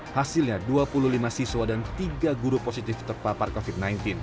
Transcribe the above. hasilnya dua puluh lima siswa dan tiga guru positif terpapar covid sembilan belas